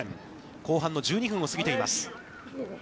後半の１２分を過ぎています。